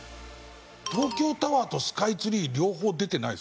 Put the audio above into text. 東京タワーとスカイツリー両方出てないですよね。